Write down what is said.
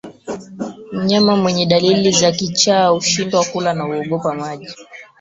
Mnyama mweye dalili za kichaaa hushindwa kula na huogopa maji